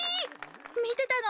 みてたの？